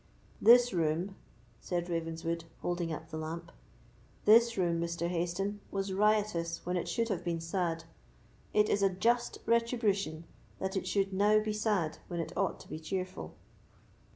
"This room," said Ravenswood, holding up the lamp—"this room, Mr. Hayston, was riotous when it should have been sad; it is a just retribution that it should now be sad when it ought to be cheerful."